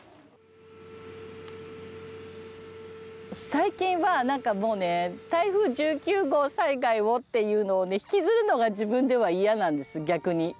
最近はなんかもうね台風１９号災害をっていうのをね引きずるのが自分では嫌なんです逆に。